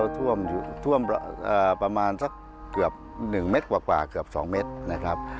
ท่วมประมาณสัก๑เม็ดกว่ากว่าเกือบ๒เม็ดนะครับ